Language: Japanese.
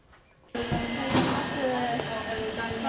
おはようございます。